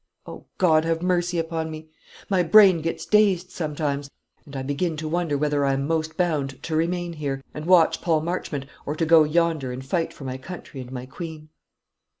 O God, have mercy upon me! My brain gets dazed sometimes; and I begin to wonder whether I am most bound to remain here and watch Paul Marchmont, or to go yonder and fight for my country and my Queen."